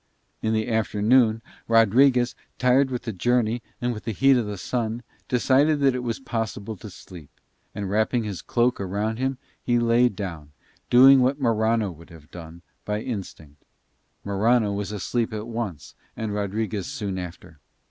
In the afternoon Rodriguez, tired with the journey and with the heat of the sun, decided that it was possible to sleep, and, wrapping his cloak around him, he lay down, doing what Morano would have done, by instinct. Morano was asleep at once and Rodriguez soon after.